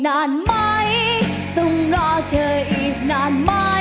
แอปชั่น